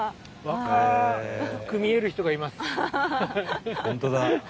若く見える人がいます。